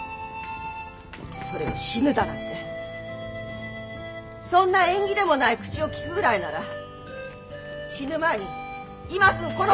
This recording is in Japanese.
それを死ぬだなんてそんな縁起でもない口を利くぐらいなら死ぬ前に今すぐこのお代払っておくれよ！